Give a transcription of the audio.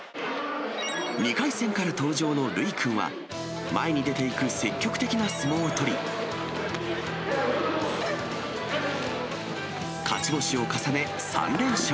２回戦から登場の留一君は、前に出ていく積極的な相撲を取り、勝ち星を重ね３連勝。